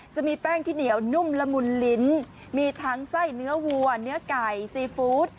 จะมีแป้งที่เหนียวนุ่มละมุนลิ้นมีทั้งไส้เนื้อวัวเนื้อไก่ซีฟู้ด